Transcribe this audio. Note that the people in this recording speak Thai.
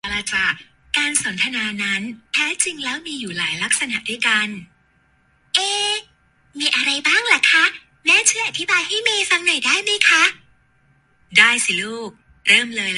อยากอยู่ทีมนี้ ทีมวิจัยพัฒนาสูตรหมูปิ้งเอง